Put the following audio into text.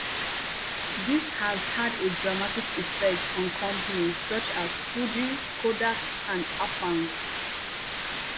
This has had a dramatic effect on companies such as Fuji, Kodak, and Agfa.